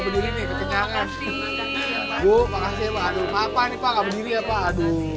bu makasih ya bu aduh maaf nih pak gak berdiri ya pak aduh